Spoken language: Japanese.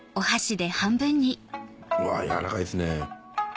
うわ軟らかいですね。